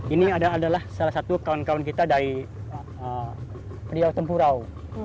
ini adalah salah satu kawan kawan kita dari riau tempurau